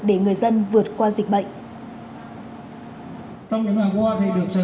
những người dân vượt qua dịch bệnh